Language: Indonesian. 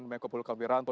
dan mengkumpulkan wiranto